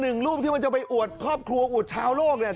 หนึ่งรูปที่มันจะไปอวดครอบครัวอวดชาวโลกเนี่ย